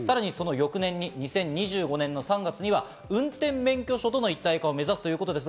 さらに翌年の２０２５年の３月には運転免許証との一体化を目指すということです。